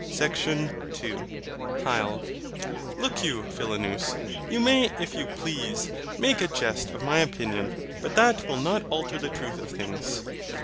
Look you, Philonous, you may, if you please, make a jest of my opinion, but that will not alter the truth of things.